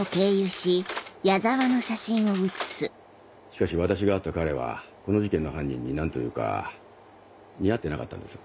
しかし私が会った彼はこの事件の犯人に何というか似合ってなかったんです。